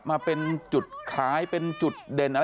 มาเป็นจุดขายเป็นจุดเด่นอะไร